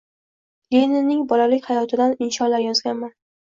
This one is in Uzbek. Leninning bolalik hayotidan insholar yozganman.